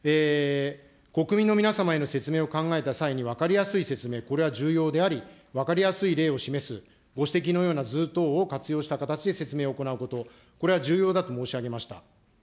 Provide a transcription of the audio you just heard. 国民の皆様への説明を考えた際に分かりやすい説明、これは重要であり、分かりやすい例を示す、ご指摘のような図等を確認した形で説明を行うこと、これは重要だと申し上げました。